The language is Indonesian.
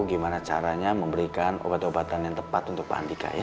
gimana caranya memberikan obat obatan yang tepat untuk pak andika ya